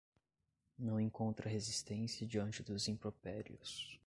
Não encontra resistência diante dos impropérios